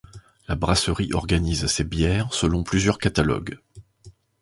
La brasserie organise ses bières selon plusieurs catalogues.